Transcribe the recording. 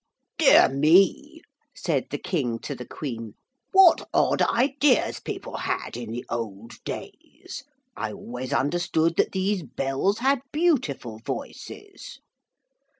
'Dear me,' said the King to the Queen, 'what odd ideas people had in the old days. I always understood that these bells had beautiful voices.'